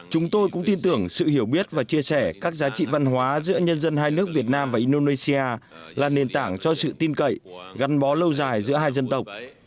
chúng tôi cũng tin tưởng sự hiểu biết và chia sẻ các giá trị văn hóa giữa nhân dân hai nước việt nam và indonesia là nền tảng cho sự tin cậy gắn bó lâu dài giữa hai dân tộc